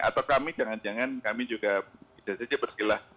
atau kami jangan jangan kami juga bisa saja bergelah